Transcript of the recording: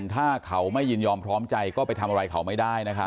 ถ้าเขาไม่ยินยอมพร้อมใจก็ไปทำอะไรเขาไม่ได้